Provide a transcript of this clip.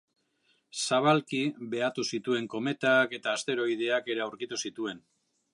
Zabalki behatu zituen kometak, eta asteroideak ere aurkitu zituen.